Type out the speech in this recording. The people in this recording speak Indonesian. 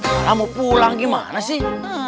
malah mau pulang gimana sih